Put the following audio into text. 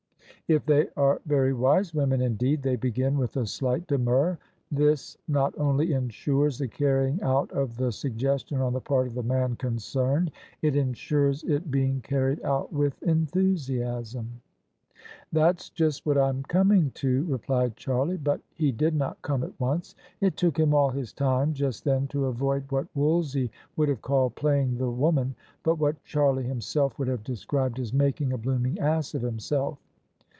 If they are very wise women indeed, they begin with a slight demur : this not only ensures the carrying out of the suggestion on the part of the man concerned — it ensures it being carried out with enthusiasm. " That's just what I'm coming to," replied Charlie. But he did not come at once: it took him all his time just then to avoid what Wolsey would have called "playing the woman," but what Charlie himself would have described as " making a blooming ass of himself."